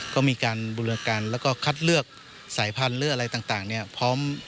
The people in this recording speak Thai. ก็มีการบูรกันแล้วก็คัดเลือกสายพันธุ์หรืออะไรต่างเนี่ยพร้อม